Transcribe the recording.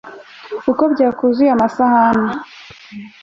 Ukwo byakuzuye amasahani